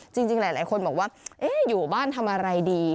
จริงหลายคนบอกว่าอยู่บ้านทำอะไรดี